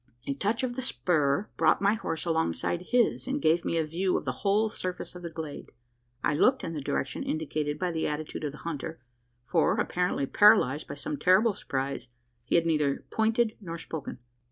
A touch of the spur brought my horse alongside his, and gave me a view of the whole surface of the glade. I looked in the direction indicated by the attitude of the hunter: for apparently paralysed by some terrible surprise he had neither pointed nor spoken.